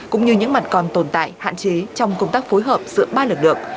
cũng như những mặt còn tồn tại hạn chế trong công tác phối hợp giữa ba lực lượng